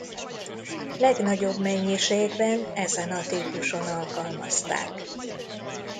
Legnagyobb mennyiségben ezen a típuson alkalmazták.